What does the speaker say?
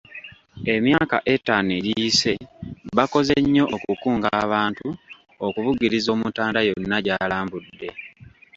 Emyaka etaano egiyise, bakoze nnyo okukunga abantu okubugiriza Omutanda yonna gy'alambudde.